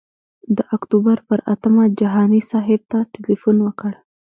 د اکتوبر پر اتمه جهاني صاحب ته تیلفون وکړ.